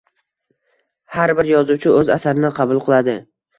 Har bir yozuvchi o’z asarini qabul qiladi.